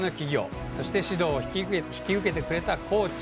そして指導を引き受けてくれたコーチ。